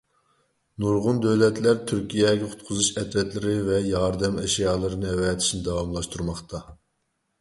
نۇرغۇن دۆلەتلەر تۈركىيەگە قۇتقۇزۇش ئەترەتلىرى ۋە ياردەم ئەشيالىرىنى ئەۋەتىشنى داۋاملاشتۇرماقتا.